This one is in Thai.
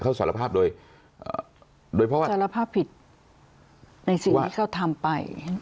เขาสารภาพโดยโดยเพราะว่าสารภาพผิดในสิ่งที่เขาทำไป